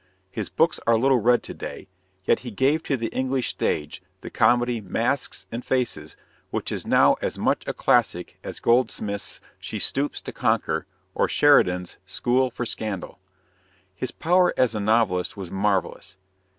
His books are little read to day; yet he gave to the English stage the comedy "Masks and Faces," which is now as much a classic as Goldsmith's "She Stoops to Conquer" or Sheridan's "School for Scandal." His power as a novelist was marvelous.